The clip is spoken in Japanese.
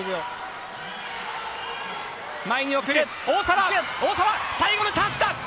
大澤、最後のチャンスだ。